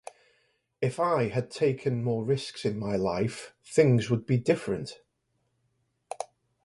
If I had taken more risks in my life, things would be different.